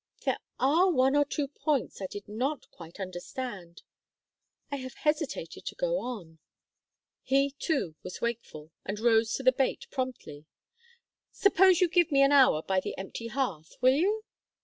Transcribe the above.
"There are one or two points I did not quite understand I have hesitated to go on " He too was wakeful, and rose to the bait promptly. "Suppose you give me an hour by the empty hearth. Will you?